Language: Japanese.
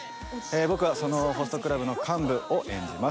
僕はそのホストクラブの幹部を演じます。